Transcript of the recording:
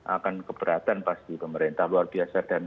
akan keberatan pasti pemerintah luar biasa